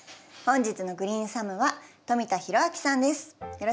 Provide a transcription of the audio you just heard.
本日のグリーンサムは富田裕明さんです。